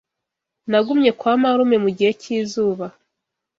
Nagumye kwa marume mugihe cyizuba.